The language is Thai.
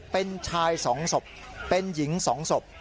เป็นชาย๒ศพเป็นหญิง๒ศพ